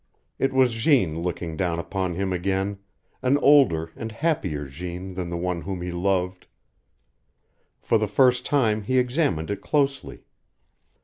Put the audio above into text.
It was Jeanne looking down upon him again, an older and happier Jeanne than the one whom he loved. For the first time he examined it closely.